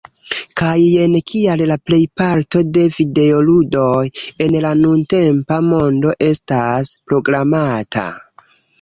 Kaj jen kial la plejparto de videoludoj en la nuntempa mondo estas programata